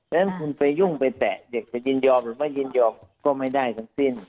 ฉะนั้นคุณไปยุ่งไปแตะเด็กจะยินยอมหรือไม่ยินยอมก็ไม่ได้ทั้งสิ้น